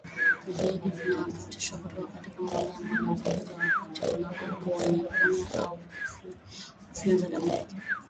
viini hivi huvipata kutoka kwa mnyama aliyeambukizwa wakati wanapomnyonya au kumfyonza damu yake